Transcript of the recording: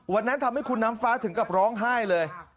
ทำให้คุณน้ำฟ้าถึงกับร้องไห้เลย